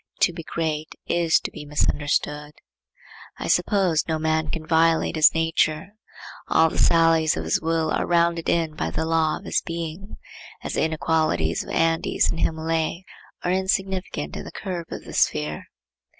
To be great is to be misunderstood. I suppose no man can violate his nature. All the sallies of his will are rounded in by the law of his being, as the inequalities of Andes and Himmaleh are insignificant in the curve of the sphere.